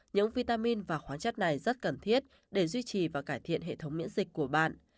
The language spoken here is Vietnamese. những vitamin và khoáng chất này rất cần thiết để duy trì và cải thiện hệ thống miễn dịch của bạn